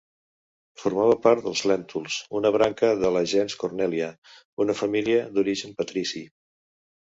Formava part dels Lèntuls, una branca de la gens Cornèlia, una família d'origen patrici.